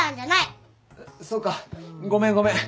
そうかごめんごめん。